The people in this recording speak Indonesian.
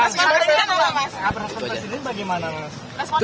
mas masih ada yang nonton